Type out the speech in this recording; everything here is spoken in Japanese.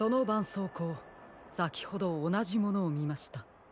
そうこうさきほどおなじものをみました。